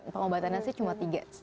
pengobatannya sih cuma tiga lima tahun